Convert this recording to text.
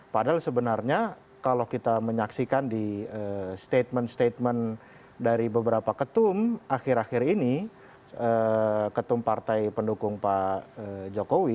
padahal sebenarnya kalau kita menyaksikan di statement statement dari beberapa ketum akhir akhir ini ketum partai pendukung pak jokowi